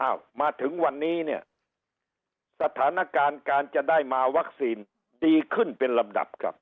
อ้าวมาถึงวันนี้เนี่ยสถานการณ์การจะได้มาวัคซีนดีขึ้นเป็นลำดับครับ